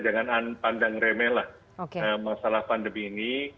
jangan pandang remeh lah masalah pandemi ini